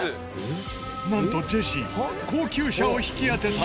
なんとジェシー高級車を引き当てた。